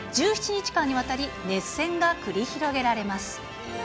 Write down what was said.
１７日間にわたり、熱戦が繰り広げられます。